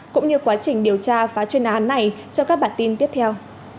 cũng như quá trình điều tra phá chuyên án này cho các bản tin tiếp theo